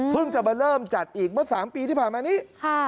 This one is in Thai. จะมาเริ่มจัดอีกเมื่อ๓ปีที่ผ่านมานี้